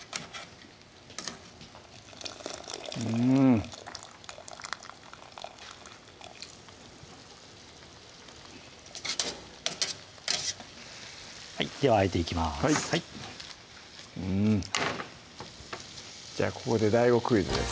うんではあえていきますはいうんじゃあここでＤＡＩＧＯクイズです